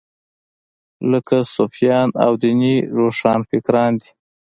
لکه صوفیان او دیني روښانفکران دي.